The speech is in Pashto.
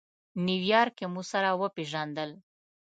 نیویارک کې مو سره وپېژندل.